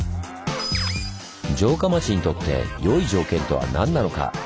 城下町にとってよい条件とは何なのか？